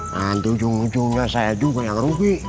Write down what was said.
nah tujung tujungnya saya juga yang rubi